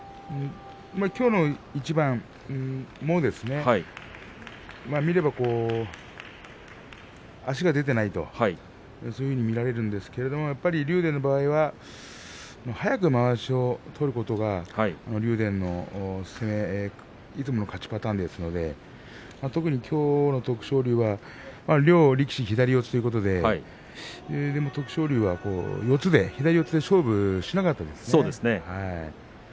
きょうの一番もですね見れば、足が出ていないとそういうふうに見られるんですけれど竜電の場合は早くまわしを取ることが竜電のいつもの勝ちパターンですので特にきょうの徳勝龍は両力士、左四つということで徳勝龍は四つで左四つで勝負をしなかったですね。